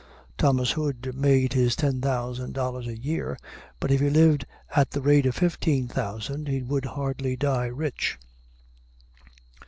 Thomas Hood made his ten thousand dollars a year, but if he lived at the rate of fifteen thousand he would hardly die rich.